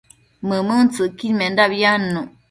mëmuntsëcquidmendabi adnuc